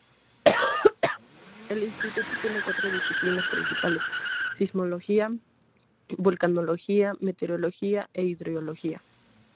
El instituto tiene cuatro disciplinas principales: Sismología, Vulcanología, Meteorología e Hidrología.